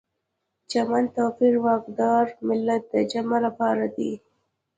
چمن، توپیر، واکدار، ملت د جمع لپاره دي.